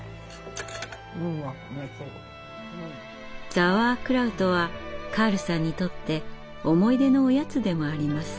ザワークラウトはカールさんにとって思い出のおやつでもあります。